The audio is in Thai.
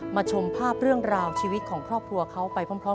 ชมภาพเรื่องราวชีวิตของครอบครัวเขาไปพร้อม